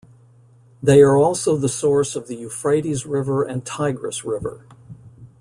They are also the source of the Euphrates River and Tigris River.